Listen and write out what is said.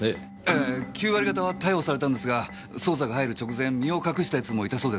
ええ９割方は逮捕されたんですが捜査が入る直前身を隠した奴もいたそうです。